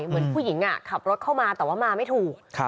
เหมือนผู้หญิงขับรถเข้ามาแต่ว่ามาไม่ถูก